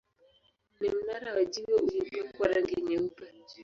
Ni mnara wa jiwe uliopakwa rangi nyeupe.